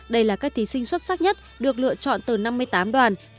đây là các thí sinh xuất sắc nhất được lựa chọn từ năm mươi tám đoàn